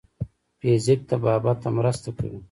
فزیک طبابت ته مرسته کوي.